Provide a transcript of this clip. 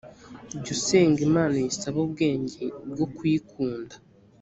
jya usenga imana uyisaba ubwenge bwo kuyikunda